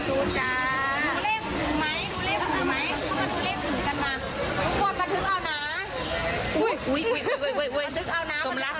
โอ้ยพระสึกเอาน้ำละ